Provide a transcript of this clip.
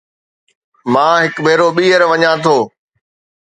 مان هڪ ڀيرو ٻيهر وڃان ٿو